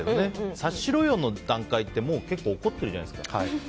察しろよの段階って結構もう怒ってるじゃないですか。